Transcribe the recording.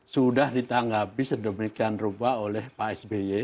sudah ditanggapi sedemikian rupa oleh pak sby